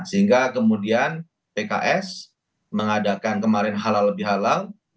sehingga kemudian pks mengadakan kemarin halal bihalal